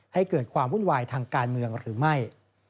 ให้เกิดความวุ่นวายทางการเมืองหรือไม่